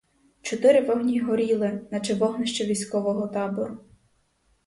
Чотири вогні горіли, наче вогнище військового табору.